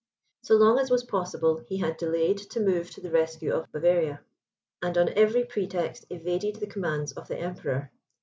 So long as was possible, he had delayed to move to the rescue of Bavaria, and on every pretext evaded the commands of the Emperor.